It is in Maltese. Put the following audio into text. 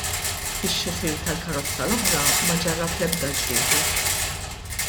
Ix-xufier tal-karozza l-oħra ma ġarrab l-ebda ġrieħi.